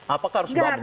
apakah harus badan